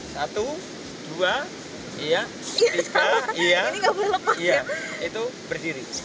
satu dua tiga itu berdiri